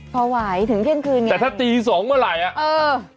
พอไหวถึงเที่ยงคืนไงแต่ถ้าตี๒เมื่อไหร่